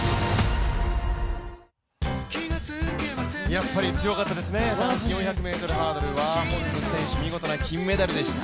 やっぱり強かったですね、男子４００ｍハードル、ワーホルム選手、見事な金メダルでした。